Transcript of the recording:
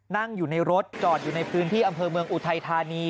นั่งอยู่ในรถจอดอยู่ในพื้นที่อำเภอเมืองอุทัยธานี